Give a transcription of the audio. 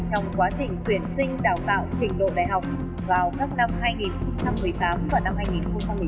trong quá trình tuyển sinh đào tạo trình độ đại học vào các năm hai nghìn một mươi tám và năm hai nghìn một mươi chín